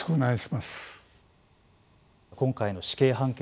今回の死刑判決